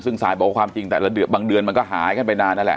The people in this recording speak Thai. ซึ่งสายบอกว่าความจริงแต่ละบางเดือนมันก็หายกันไปนานนั่นแหละ